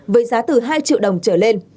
với giá từ hai triệu đồng trở lên